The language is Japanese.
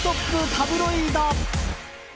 タブロイド。